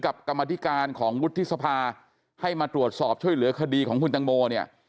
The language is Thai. กรรมธิการของวุฒิสภาให้มาตรวจสอบช่วยเหลือคดีของคุณตังโมเนี่ย